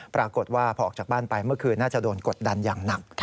ปรากฏว่าพอออกจากบ้านไปเมื่อคืนน่าจะโดนกดดันอย่างหนัก